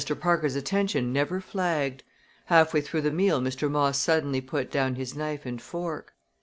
Parker's attention never flagged. Halfway through the meal Mr. Moss suddenly put down his knife and fork.